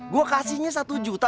gue kasihnya satu juta